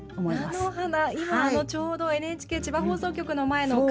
菜の花、今ちょうどＮＨＫ千葉放送局の前の花壇にも。